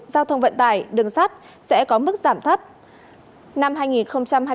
cận tài đường sắt sẽ có mức giảm thấp